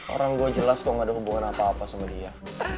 orang gue jelas kok gak ada hubungan apa apa sama dia